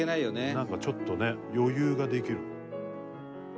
「なんかちょっとね余裕ができる」